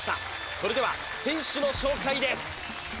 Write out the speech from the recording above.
それでは選手の紹介です